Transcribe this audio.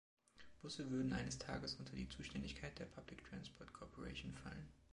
Busse würden eines Tages unter die Zuständigkeit der Public Transport Corporation fallen.